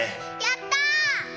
やったー！